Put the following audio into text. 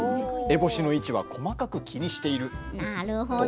えぼしの位置は細かく気にしている。